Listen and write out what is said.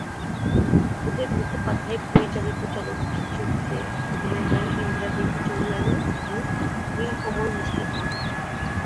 ভূদেব মুখোপাধ্যায় পরিচালিত চলচ্চিত্রটিতে অভিনয় করেন ইন্দিরা দেবী চৌধুরানী এবং নীলকমল মুস্তোফী।